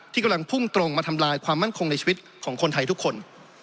กำลังพุ่งตรงมาทำลายความมั่นคงในชีวิตของคนไทยทุกคน